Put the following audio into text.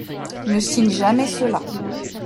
Ne signe jamais cela.